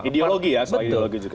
ideologi ya soal ideologi juga